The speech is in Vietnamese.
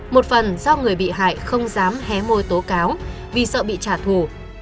một phần do người bị hại không dám hé mô tố cáo vì sợ bị trả thù